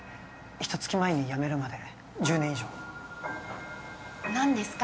ひと月前に辞めるまで１０年以上何ですか？